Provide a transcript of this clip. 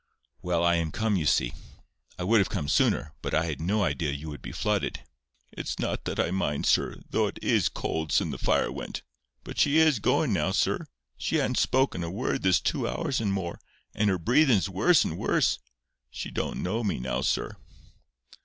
"Well, I am come, you see. I would have come sooner, but I had no idea you would be flooded." "It's not that I mind, sir, though it IS cold sin' the fire went. But she IS goin' now, sir. She ha'n't spoken a word this two hours and more, and her breathin's worse and worse. She don't know me now, sir."